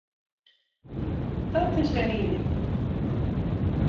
Dat is wer ien minder.